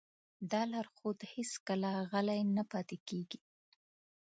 دا لارښود هېڅکله غلی نه پاتې کېږي.